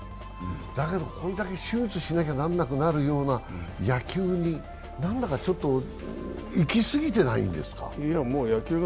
だけど、これだけ手術しなきゃならなくなるような野球に、なんだかちょっといきすぎてないですか？